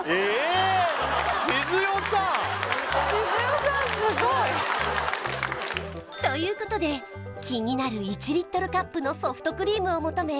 それということで気になる１リットルカップのソフトクリームを求め